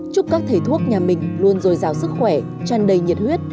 chúc các thế thuốc nhà mình luôn dồi dào sức khỏe chăn đầy nhiệt huyết